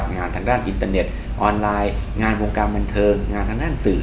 งานทางด้านอินเตอร์เน็ตออนไลน์งานวงการบันเทิงงานทางด้านสื่อ